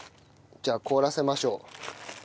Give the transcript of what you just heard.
じゃあ凍らせましょう。